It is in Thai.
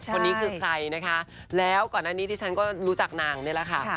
คนนี้คือใครนะคะแล้วก่อนหน้านี้ที่ฉันก็รู้จักนางนี่แหละค่ะ